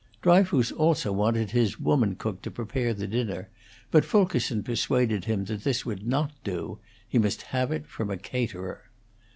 Dryfoos also wanted his woman cook to prepare the dinner, but Fulkerson persuaded him that this would not do; he must have it from a caterer.